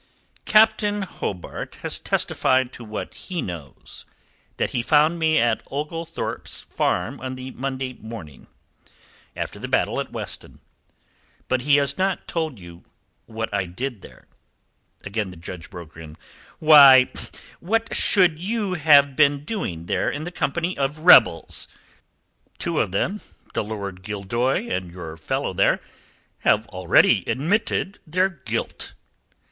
"Captain Hobart has testified to what he knows that he found me at Oglethorpe's Farm on the Monday morning after the battle at Weston. But he has not told you what I did there." Again the Judge broke in. "Why, what should you have been doing there in the company of rebels, two of whom Lord Gildoy and your fellow there have already admitted their guilt?"